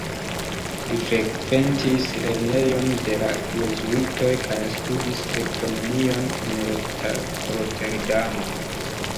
Li frekventis lernejon de la jezuitoj kaj studis ekonomion en Roterdamo.